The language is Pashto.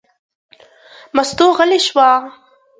مستو غلې شوه.